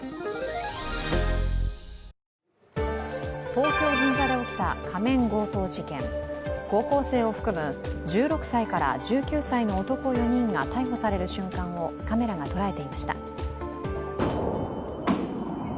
東京・銀座で起きた仮面強盗事件高校生を含む１６歳から１９歳の男４人が逮捕される瞬間をカメラが捉えていました。